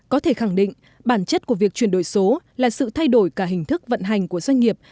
có thể khẳng định bản chất của việc chuyển đổi số là sự thay đổi cả hình thức vận hành của doanh nghiệp